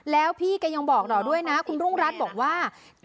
แล้วพี่แกยังบอกเราด้วยนะคุณรุ่งรัฐบอกว่า